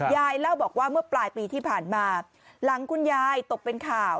ยายเล่าบอกว่าเมื่อปลายปีที่ผ่านมาหลังคุณยายตกเป็นข่าว